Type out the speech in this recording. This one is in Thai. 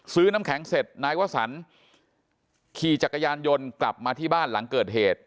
น้ำแข็งเสร็จนายวสันขี่จักรยานยนต์กลับมาที่บ้านหลังเกิดเหตุ